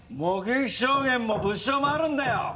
目撃証言も物証もあるんだよ！